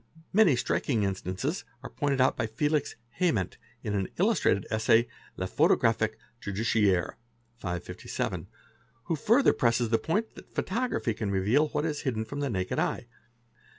FALSE NAMES 309 striking instances are pointed out by Felix Hément in an illustrated essay, La Photographie Judiciaire®", who further presses the point that photography can reveal what is hidden from the naked eye.